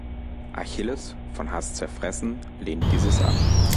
Achilles, von Hass zerfressen, lehnt dieses ab.